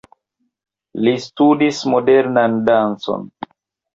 Li studis modernan dancon.